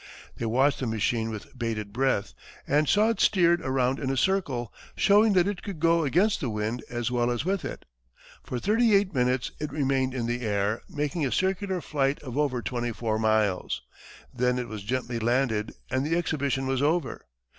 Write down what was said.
They watched the machine with bated breath, and saw it steered around in a circle, showing that it could go against the wind as well as with it. For thirty eight minutes it remained in the air, making a circular flight of over twenty four miles. Then it was gently landed and the exhibition was over.